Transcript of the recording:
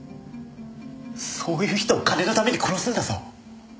そういう人を金のために殺すんだぞ？